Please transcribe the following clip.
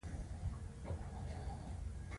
چې نړۍ ورته په درناوي ګوري.